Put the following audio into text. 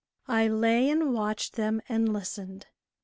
I lay and watched them and listened.